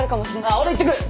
あっ俺行ってくる！